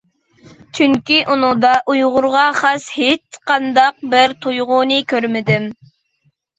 چۈنكى ئۇنىڭدا ئۇيغۇرغا خاس ھېچقانداق بىر تۇيغۇنى كۆرمىدىم.